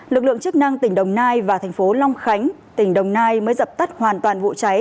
lực lượng chức năng tỉnh đồng nai và thành phố long khánh tỉnh đồng nai mới dập tắt hoàn toàn vụ cháy